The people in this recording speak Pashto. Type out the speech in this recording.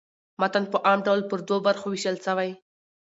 متن په عام ډول پر دوو برخو وېشل سوی.